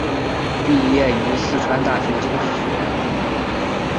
毕业于四川大学经济学院。